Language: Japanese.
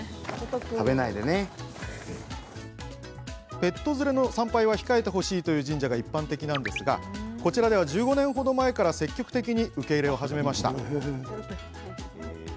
ペット連れの参拝は控えてほしいという神社が一般的なんですがこちらでは１５年程前から積極的に受け入れを始めました。